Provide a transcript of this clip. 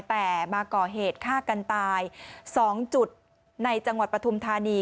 แต่มาก่อเหตุฆ่ากันตาย๒จุดในจังหวัดปฐุมธานี